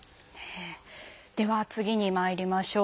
では次にまいりましょう。